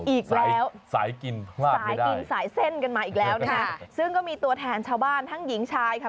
อีกแล้วสายกินพลาดสายกินสายเส้นกันมาอีกแล้วนะคะซึ่งก็มีตัวแทนชาวบ้านทั้งหญิงชายค่ะ